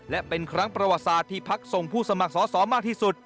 และเป็นครั้งประวัติศาสตร์ที่พักส่งผู้สมัครสอสอมากที่สุด